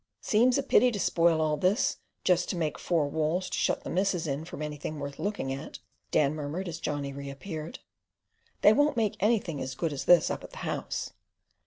"Seems a pity to spoil all this, just to make four walls to shut the missus in from anything worth looking at," Dan murmured as Johnny reappeared. "They won't make anything as good as this up at the house."